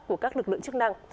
của các lực lượng chức năng